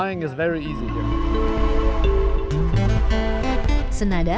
jadi penerbangan ini sangat mudah